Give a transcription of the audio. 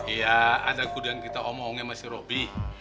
iya ada kudu yang kita omongin sama si robby